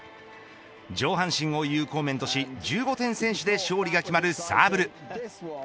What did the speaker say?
上半身を有効面とし１５点先取で勝利が決まるサーブル。